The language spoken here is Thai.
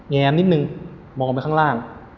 แงมนิดนึงมองไปข้างล่าง